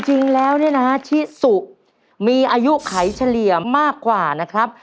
จริงแล้วเนี่ยนะฮะชิสุมีอายุไขเฉลี่ยมากกว่านะครับ